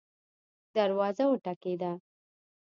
دروازه وټکیده